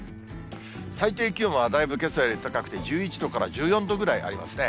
最低気温はだいぶけさより高くて１１度から１４度ぐらいありますね。